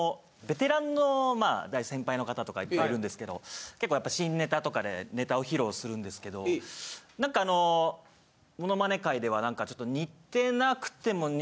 大先輩の方とかいっぱいいるんですけど結構やっぱ新ネタとかでネタを披露するんですけどなんかあのモノマネ界ではなんかちょっと。